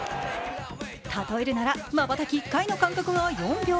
例えるならまばたき１回の間隔が４秒。